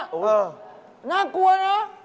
เออน่ากลัวเนอะ